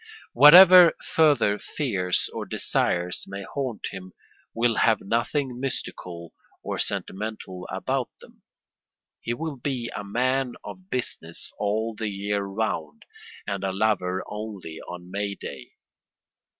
Whatever further fears or desires may haunt him will have nothing mystical or sentimental about them. He will be a man of business all the year round, and a lover only on May day.